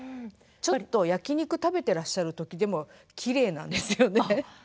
ちょっと焼き肉食べてらっしゃる時でもきれいなんですよね。